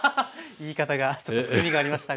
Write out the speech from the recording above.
言い方がちょっと含みがありましたが。